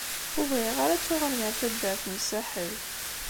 Ur bɣiɣ ara ad tuɣalem ar taddart n Saḥel.